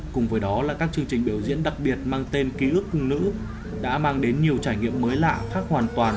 cùng với đó là các chương trình biểu diễn đặc biệt mang tên ký ức nữ đã mang đến nhiều trải nghiệm mới lạ khác hoàn toàn